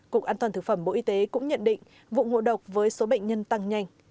cục an toàn thực phẩm bộ y tế cũng nhận định vụ ngộ độc với số bệnh nhân tăng nhanh